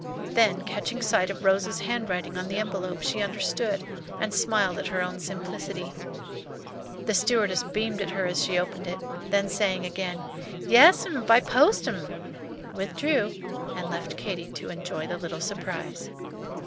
Then catching sight of Rose's handwriting on the envelope, she understood, and smiled at her own simplicity. The stewardess beamed at her as she opened it, then saying again, "Yes, 'm, by post, m'm," withdrew, and left Katy to enjoy the little surprise.